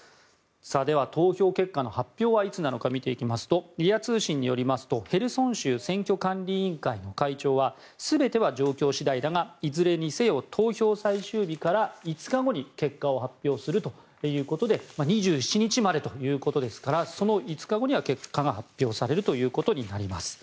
では投票結果の発表はいつなのか見ていきますとＲＩＡ通信によりますとヘルソン州選挙管理委員会の会長は全ては状況次第だがいずれにせよ投票最終日から５日後に結果を発表するということで２７日までということですからその５日後には結果が発表されるということになります。